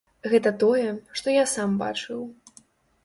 Гэта тое, што я сам бачыў.